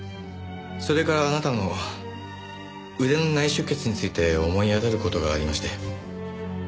それからあなたの腕の内出血について思い当たる事がありまして。